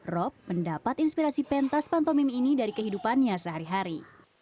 rob mendapat inspirasi pentas pantomim ini dari kehidupannya sehari hari